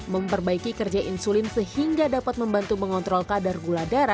memperbaiki kerja insulin sehingga dapat membantu mengontrol kadar gula darah